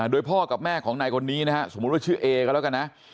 โดยพ่อกับแม่ของนายคนนี้นะฮะสมมุติว่าชื่อเอก็แล้วกันนะ